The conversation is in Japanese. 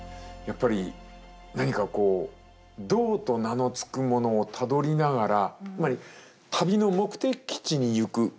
やっぱり何かこう「道」と名の付くものをたどりながらつまり旅の目的地に行く。